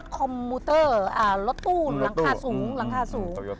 คอมมูเตอร์รถตู้หลังคาสูง